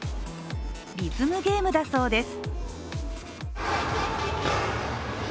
リズムゲームだそうです。